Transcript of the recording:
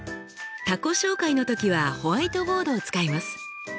他己紹介の時はホワイトボードを使います。